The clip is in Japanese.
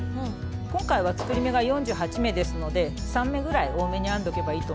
今回は作り目が４８目ですので３目ぐらい多めに編んでおけばいいと思います。